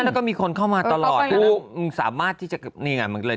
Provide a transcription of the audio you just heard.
และก็มีคนเข้ามาตลอดดูสามารถที่จะนี่ไง